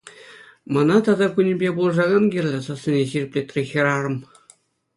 Мана та кунӗпе пулӑшакан кирлӗ, — сассине ҫирӗплетрӗ хӗрарӑм.